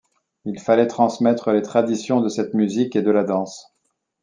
Il fallait transmettre les traditions de cette musique et de la danse.